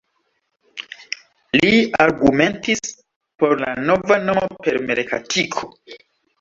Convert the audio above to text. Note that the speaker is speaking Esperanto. Li argumentis por la nova nomo per merkatiko.